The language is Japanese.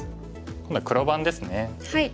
今度は黒番ですね。